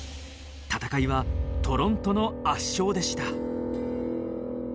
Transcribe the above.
戦いはトロントの圧勝でした。